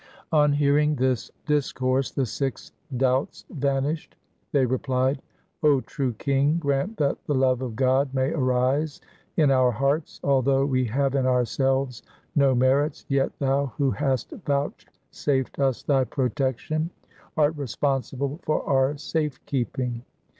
On hearing this discourse the Sikhs' doubts vanished. They replied, ' O true king, grant that the love of God may arise in our hearts. Although we have in ourselves no merits, yet thou who hast vouchsafed us thy protection, art responsible for our safe keeping.